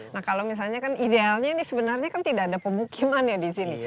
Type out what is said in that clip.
nah kalau misalnya kan idealnya ini sebenarnya kan tidak ada pemukiman ya di sini